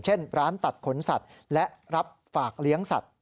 เช่นร้านตัดขนสัตว์และรับฝากเลี้ยงสัตว